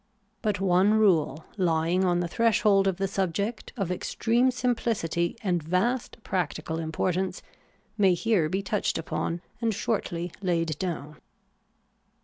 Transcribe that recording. But one rule, lying on the threshold of the subject, of extreme simphcity and vast practical importance, may here be touched upon and shortly laid down.